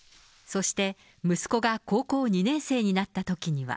そして、息子が高校２年生になったときには。